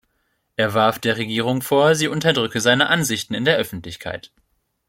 Er warf der Regierung vor, sie unterdrücke seine Ansichten in der Öffentlichkeit.